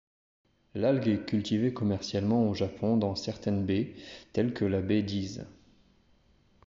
L'algue est cultivée commercialement au Japon dans certaines baies telles que la baie d'Ise.